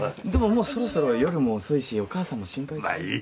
でももうそろそろ夜も遅いしお母さんも心配する。